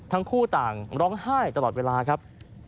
ทั้งคู่ต่างร้องไห้ตลอดเวลาครับ